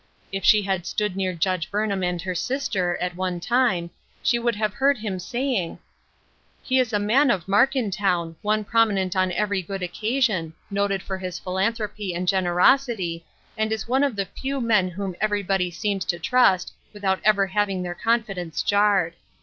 If she had stood near Judge Burnham and her sis ter, at one time, she would have heard him say ing: " He is a man of mark in town ; one promi nent on every good occasion ; noted for his phil anthropy and generosity, and is one of the few men whom everybody seems to trust, without ever having their confidence jarred.